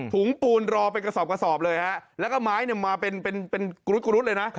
ถุงปูนรอไปกระสอบเลยฮะแล้วก็ไม้เนี่ยมาเป็นกรุดเลยนะ